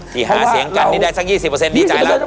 หาเสียงกันนี่ได้สัก๒๐ดีใจแล้ว